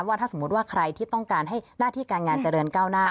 ถ้าสมมุติว่าใครที่ต้องการให้หน้าที่การงานเจริญก้าวหน้า